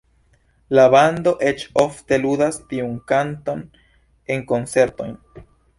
La bando eĉ ofte ludas tiun kanton en koncertoj.